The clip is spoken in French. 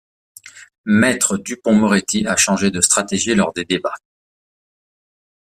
Maître Dupond-Moretti a changé de stratégie lors des débats.